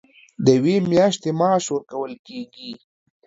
د یوې میاشتې معاش ورکول کېږي.